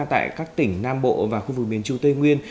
tại các tỉnh nam bộ và khu vực miền trung tây nguyên